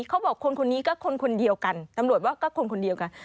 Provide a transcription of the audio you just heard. คนคนนี้ก็คนคนเดียวกันตำรวจว่าก็คนคนเดียวกัน